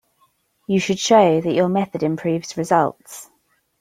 You should show that your method improves results.